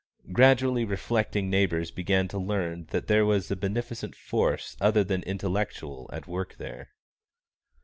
Gradually reflecting neighbours began to learn that there was a beneficent force other than intellectual at work there.